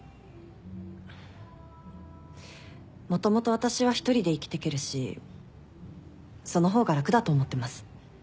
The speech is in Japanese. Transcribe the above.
もともと私は１人で生きてけるしその方が楽だと思ってます。